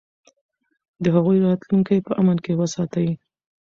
د هغوی راتلونکی په امن کې وساتئ.